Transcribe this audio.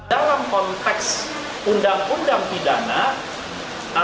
dalam konteks undang undang pidana